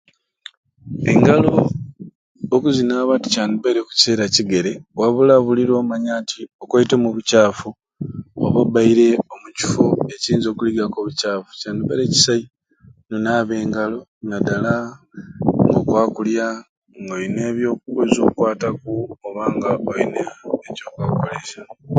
Engalo okuzinaba tikyabaireku kiseera kigere wabula buli lwomanya nti okwaite omubukyaffu oba obaire omukiffo ekiyinza okuligaku obukyaffu kyandibaire kisai nonaba engalo nadala nga okwakulya, nga oyina byokuzwa okukwataaku oba nga oyina kyokwakolesya.